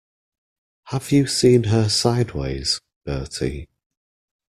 Have you seen her sideways, Bertie?